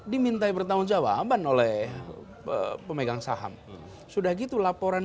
dimintai pertanggung jawaban oleh pemegang saham sudah gitu laporan